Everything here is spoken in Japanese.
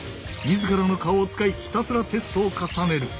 自らの顔を使いひたすらテストを重ねる。